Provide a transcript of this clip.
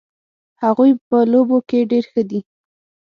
هغوی په لوبو کې ډېر ښه دي